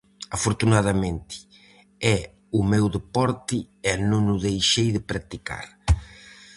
Afortunadamente é o meu deporte e non o deixei de practicar.